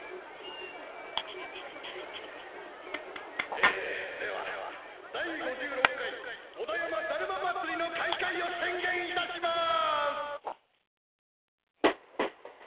えでは第５６回小田山だるま祭りの開会を宣言いたします！